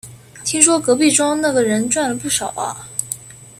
听说隔壁庄那个人赚了不少啊